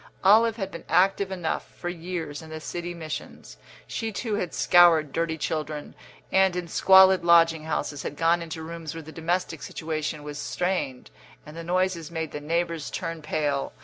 Olive had been active enough, for years, in the city missions; she too had scoured dirty children, and, in squalid lodging houses, had gone into rooms where the domestic situation was strained and the noises made the neighbours turn pale.